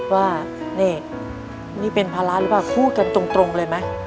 ว่านี่นี่เป็นภาระหรือเปล่าพูดกันตรงเลยไหม